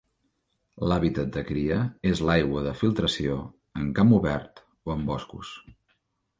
L'hàbitat de cria és l'aigua de filtració en camp obert o en boscos.